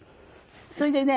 それでね